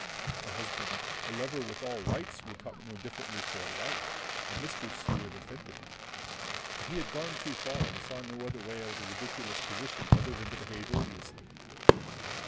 A husband, a lover with all rights, would talk no differently to a wife, a mistress who had offended him. But he had gone too far and saw no other way out of the ridiculous position than to behave odiously.